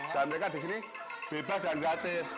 dan mereka di sini bebas dan gratis